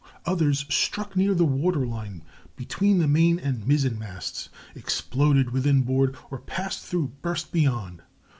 Others struck near the water line between the main and mizzen masts, exploded within board, or passing through burst beyond.